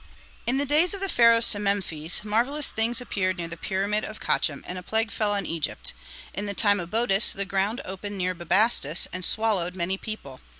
In the days of the Pharaoh Sememphes marvellous things appeared near the pyramid of Kochom, and a plague fell on Egypt. In the time of Boetus the ground opened near Bubastis and swallowed many people.